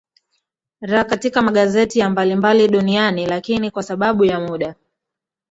ra katika magazeti ya mbalimbali duniani lakini kwa sababu ya muda